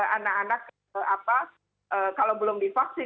anak anak kalau belum divaksin